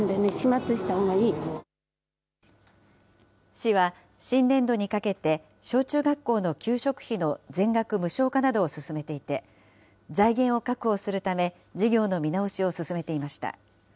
市は新年度にかけて、小中学校の給食費の全額無償化などを進めていて、財源を確保するため、事業の見直しを進めていました。